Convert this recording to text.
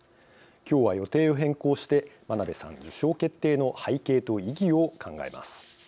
きょうは予定を変更して真鍋さん受賞決定の背景と意義を考えます。